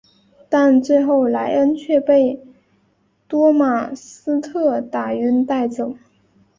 但最后莱恩却被多马斯特打晕带走。